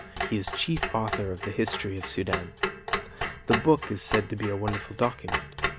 He is chief author of the history of Sudan. The book is said to be a wonderful document.